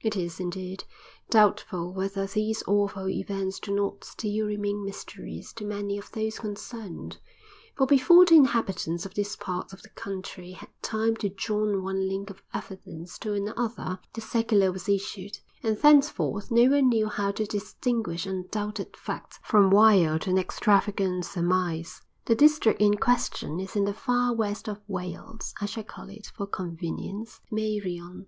It is, indeed, doubtful whether these awful events do not still remain mysteries to many of those concerned; for before the inhabitants of this part of the country had time to join one link of evidence to another the circular was issued, and thenceforth no one knew how to distinguish undoubted fact from wild and extravagant surmise. The district in question is in the far west of Wales; I shall call it, for convenience, Meirion.